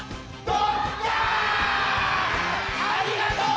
ありがとう！